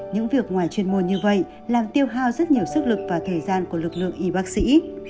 những việc ngoài chuyên môn như vậy làm tiêu hao rất nhiều sức lực và thời gian của lực lượng y bác sĩ